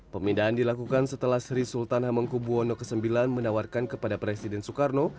pemindahan dilakukan setelah sri sultan hamengkubuwono ix menawarkan kepada presiden soekarno